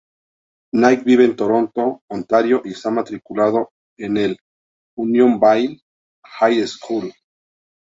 Knight vive en Toronto, Ontario y está matriculado en el Unionville High School.